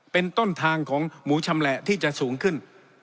เป็นต้นทางของหมูชำแหละที่จะสูงขึ้น